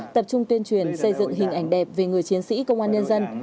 tập trung tuyên truyền xây dựng hình ảnh đẹp về người chiến sĩ công an nhân dân